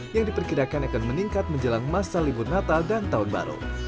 yang diperkirakan akan meningkat menjelang masa libur natal dan tahun baru